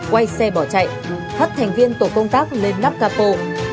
quay xe bỏ chạy hắt thành viên tổ công tác lên nắp capo